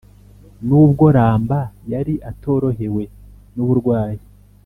n’ubwo ramba yari atorohewe n’uburwayi,